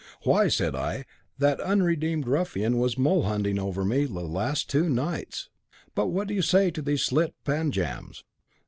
'Why,' said I, 'that unredeemed ruffian was mole hunting over me the last two nights! But what do you say to these slit panjams?'